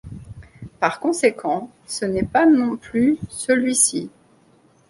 Par conséquent, ce n'est pas non plus celui-ci.